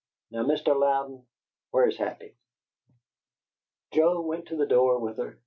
Now, Mr. Louden, where's Happy?" Joe went to the door with her.